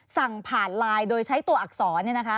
สั่งผ่านไลน์โดยใช้ตัวอักษร